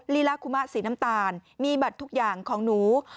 ลีลาคุมะสีน้ำตาลมีบัตรทุกอย่างของหนู